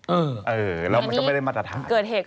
เออแล้วมันก็ไม่ได้มาตรฐาน